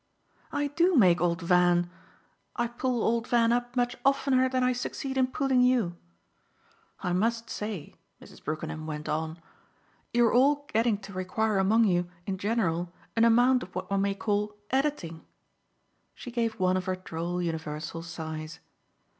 "I do make old Van I pull old Van up much oftener than I succeed in pulling you. I must say," Mrs. Brookenham went on, "you're all getting to require among you in general an amount of what one may call editing!" She gave one of her droll universal sighs.